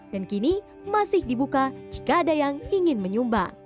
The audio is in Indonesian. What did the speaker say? dan kini masih dibuka jika ada yang ingin menyumba